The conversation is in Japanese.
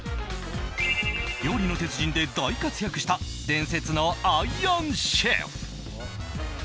「料理の鉄人」で大活躍した伝説のアイアンシェフ。